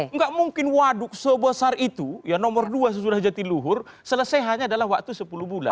nggak mungkin waduk sebesar itu ya nomor dua sesudah jatiluhur selesai hanya dalam waktu sepuluh bulan